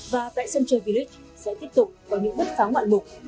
và tại sân chơi village sẽ tiếp tục có những bước pháo ngoạn mục